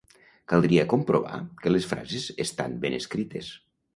Caldria comprovar que les frases estan ben escrites.